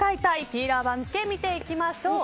ピーラー番付見ていきましょう。